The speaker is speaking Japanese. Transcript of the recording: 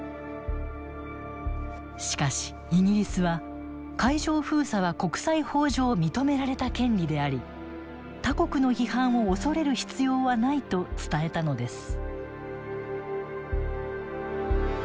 しかしイギリスは海上封鎖は国際法上認められた権利であり他国の批判を恐れる必要はないと伝えたのです。